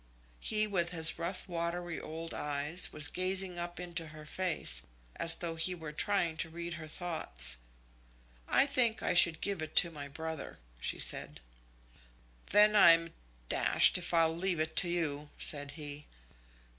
He, with his rough watery old eyes, was gazing up into her face, as though he were trying to read her thoughts. "I think I should give it to my brother," she said. "Then I'm d if I'll leave it to you," said he.